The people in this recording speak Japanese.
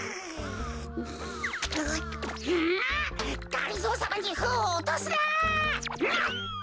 がりぞーさまにフンをおとすな！